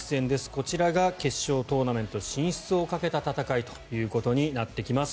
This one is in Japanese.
こちらが決勝トーナメント進出をかけた戦いということになってきます。